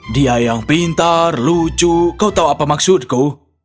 dia yang pintar lucu kau tahu apa maksudku